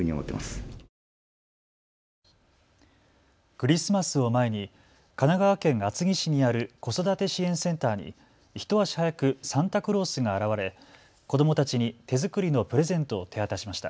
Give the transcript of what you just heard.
クリスマスを前に神奈川県厚木市にある子育て支援センターに、一足早くサンタクロースが現れ子どもたちに手作りのプレゼントを手渡しました。